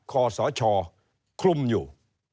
ขอสชคลุมอยู่